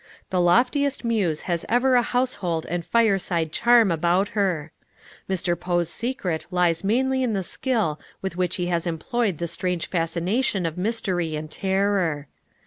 The loftiest muse has ever a household and fireside charm about her. Mr. Poe's secret lies mainly in the skill with which he has employed the strange fascination of mystery and terror.